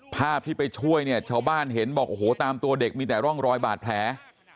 ภาพที่ไปช่วยเนี่ยชาวบ้านเห็นบอกโอ้โหตามตัวเด็กมีแต่ร่องรอยบาดแผล